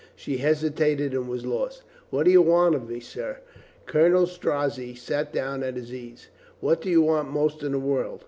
She hesitated and was lost. "What do you want of me, sir?" Colonel Strozzi sat down at his ease. "What do you want most in the world?